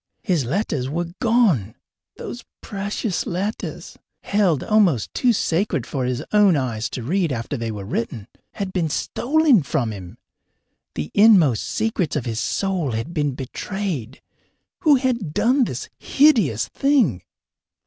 His letters were gone those precious letters, held almost too sacred for his own eyes to read after they were written had been stolen from him! The inmost secrets of his soul had been betrayed. Who had done this hideous thing?